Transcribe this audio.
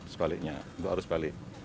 sebaliknya dua arah sebalik